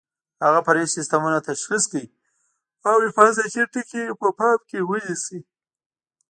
هغه فرعي سیسټمونه تشخیص کړئ او حفاظتي ټکي په پام کې ونیسئ.